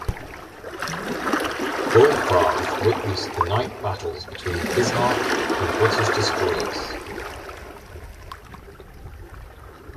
Wohlfarth witnessed the night battles between "Bismarck" and British destroyers.